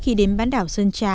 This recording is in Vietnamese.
khi đến bán đảo sơn trà